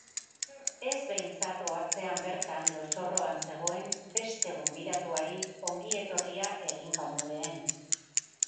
Ez behintzat ohatzean bertan lozorroan zegoen beste gonbidatuari ongi etorria egin baino lehen.